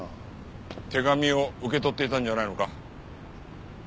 手紙を受け取っていたんじゃないのか？